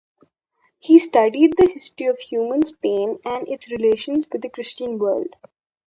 He studied the history of Muslim Spain and its relations with the Christian world.